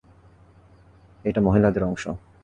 এইটা মহিলাদের অংশ।